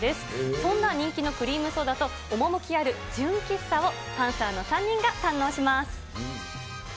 そんな人気のクリームソーダと、趣きある純喫茶をパンサーの３人が堪能します。